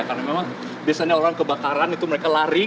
karena memang biasanya orang kebakaran itu mereka lari